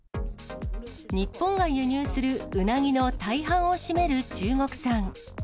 日本が輸入するうなぎの大半を占める中国産。